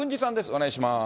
お願いします。